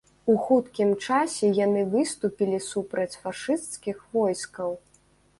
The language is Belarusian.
У хуткім часе яны выступілі супраць фашысцкіх войскаў.